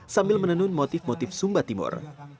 sambil menenun motif motif sumba timur